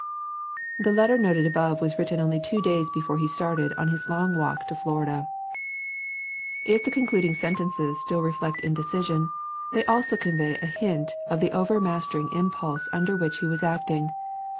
The letter noted above was written only two days before he started on his long walk to Florida. If the concluding sentences still re flect indecision, they also convey a hint of the overmastering impulse under which he was acting.